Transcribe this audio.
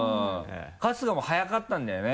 春日も速かったんだよね？